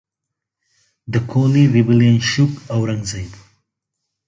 The Koli rebellion shook Aurangzeb.